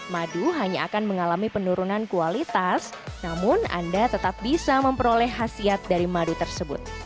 madu hanya akan mengalami penurunan kualitas namun anda tetap bisa memperoleh hasil dari madu tersebut